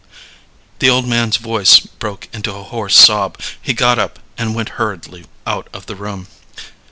The old man's voice broke into a hoarse sob; he got up, and went hurriedly out of the room.